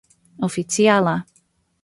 oficiala